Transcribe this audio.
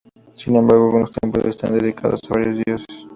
Sin embargo, algunos templos están dedicados a varios dioses.